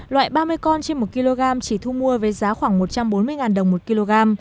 loại ba mươi con trên một kg chỉ thu mua với giá khoảng một trăm bốn mươi đồng một kg